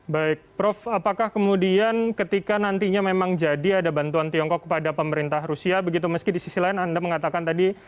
baik prof apakah kemudian ketika nantinya memang jadi ada bantuan tiongkok kepada pemerintah rusia begitu meski di sisi lain anda mengatakan tadi